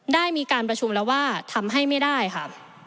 ได้มีการประชุมแล้วว่าทำให้ไม่ได้ค่ะ